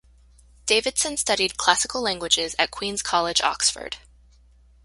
Davidson studied classical languages at Queen's College, Oxford.